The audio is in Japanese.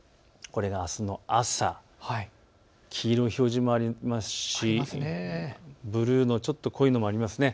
あすの朝、黄色い表示もありますしブルーのちょっと濃いのもありますね。